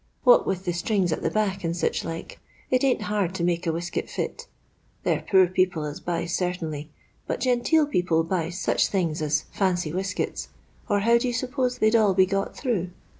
What with the strings at the back and such like, it aint hard to make a wesket fit. They 're poor people as buys certainly, but genteel people buys such things as fancy weskets, or how do you suppose they d all be got through